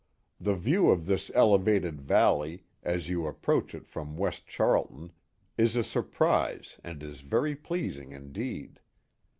The view of this elevated valley, as you approach it from West Charlton, is i 3 surprise and is very pleasing indeed.